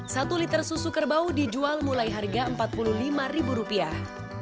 satu liter susu kerbau dijual mulai harga empat puluh lima ribu rupiah